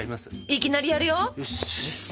いきなりやるよ！